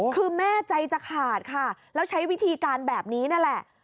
คือแม่ใจจะขาดค่ะแล้วใช้วิธีการแบบนี้นั่นแหละ